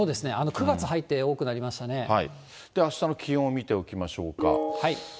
９月に入って多あしたの気温を見ておきましょうか。